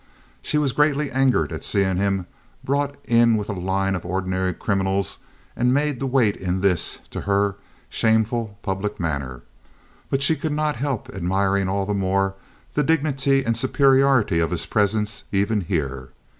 She was greatly angered at seeing him brought in with a line of ordinary criminals and made to wait in this, to her, shameful public manner, but she could not help admiring all the more the dignity and superiority of his presence even here.